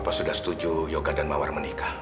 apa sudah setuju yoga dan mawar menikah